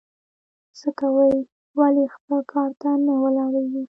څه کوې ؟ ولي خپل کار ته نه ولاړېږې؟